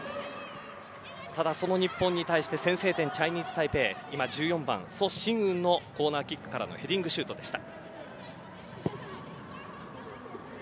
ただ、その日本に対して先制点のチャイニーズタイペイ１４番ソ・シンウンのコーナーキックからのヘディングシュートでした。